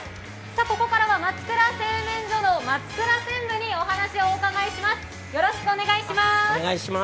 ここからは松倉製麺所の松倉専務にお話を伺います。